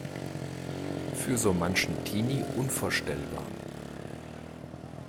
Für so manchen Teenie unvorstellbar.